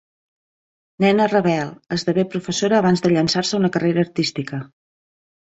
Nena rebel, esdevé professora abans de llançar-se a una carrera artística.